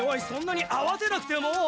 そんなにあわてなくても。